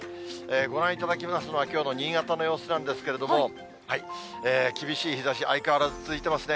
ご覧いただきますのは、きょうの新潟の様子なんですけれども、厳しい日ざし、相変わらず続いてますね。